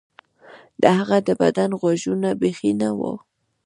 د هغه د بدن غوږونه بیخي نه وو